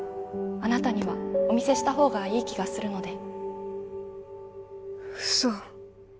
あなたにはお見せした方がいい気がするので